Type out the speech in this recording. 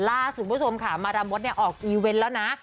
ล่าสุบสมค่ะมาดามมท์ออกเอเว้นต์แล้วน้า